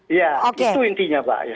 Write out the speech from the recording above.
iya itu intinya pak